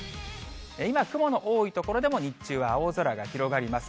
今、雲の多い所でも日中は青空が広がります。